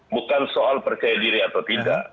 bukan soal percaya diri atau tidak